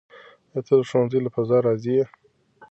آیا ته د ښوونځي له فضا راضي یې؟